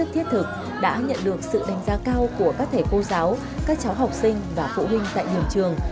thiết thực đã nhận được sự đánh giá cao của các thầy cô giáo các cháu học sinh và phụ huynh tại nhiều trường